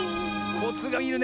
コツがいるね